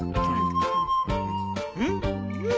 うんうん。